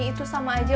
itu sama aja